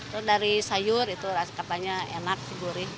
terus dari sayur itu katanya enak gurih